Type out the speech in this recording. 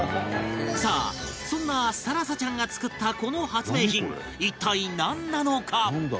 さあそんな更紗ちゃんが作ったこの発明品一体なんなのか？